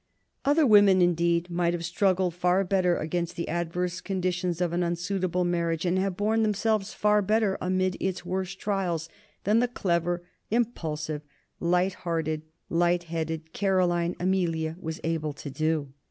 Other women, indeed, might have struggled far better against the adverse conditions of an unsuitable marriage and have borne themselves far better amid its worst trials than the clever, impulsive, light hearted, light headed Caroline Amelia was able to do.